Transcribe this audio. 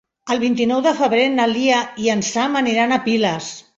El vint-i-nou de febrer na Lia i en Sam aniran a Piles.